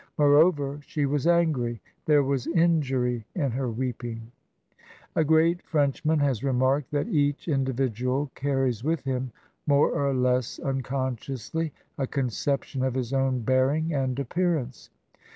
Moreover, she was angry. There was injury in her weeping. A great Frenchman has remarked that each individual TRANSITION. 67 carries with him more or less unconsciously a concep tion of his own bearing and appearance.